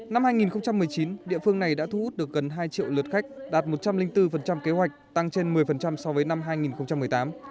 năm hai nghìn một mươi chín địa phương này đã thu hút được gần hai triệu lượt khách đạt một trăm linh bốn kế hoạch tăng trên một mươi so với năm hai nghìn một mươi tám